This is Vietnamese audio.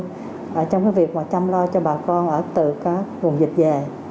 và đã hỗ trợ cho địa phương trong việc chăm lo cho bà con ở từ các vùng dịch về